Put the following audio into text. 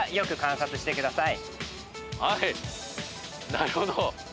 なるほど。